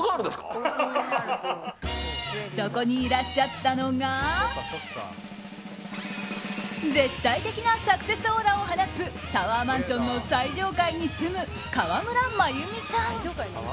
そこにいらっしゃったのが絶対的なサクセスオーラを放つタワーマンションの最上階に住む河村真弓さん。